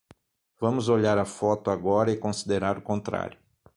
Vamos olhar a foto agora e considerar o contrário.